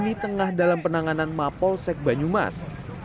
kasus ini tengah dalam penanganan mapol sek banyumas